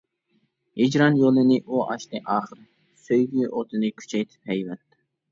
ھىجران يولىنى ئۇ ئاچتى ئاخىر، سۆيگۈ ئوتىنى كۈچەيتىپ ھەيۋەت.